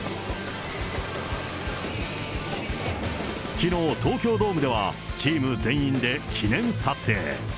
きのう、東京ドームではチーム全員で記念撮影。